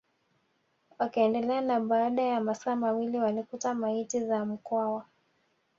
Wakaendelea na baada ya masaa mawili walikuta maiti za Mkwawa